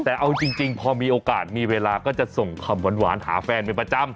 แต่เอาจริงพอมีโอกาสมีเวลาก็จะส่งคำหวานหาแฟนเป็นประจำ